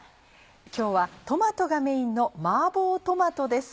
今日はトマトがメインの「マーボートマト」です。